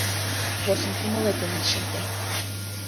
Порсын кумылетым ит шылте.